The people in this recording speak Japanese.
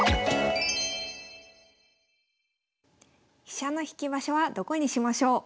飛車の引き場所はどこにしましょう？